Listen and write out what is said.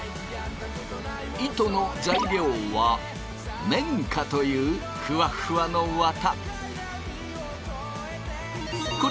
糸の材料は綿花というふわふわの綿。